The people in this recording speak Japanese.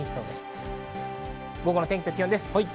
午後の天気と気温です。